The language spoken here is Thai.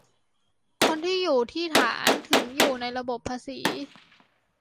คนที่อยู่ที่ฐาน ถึงอยู่ในระบบภาษี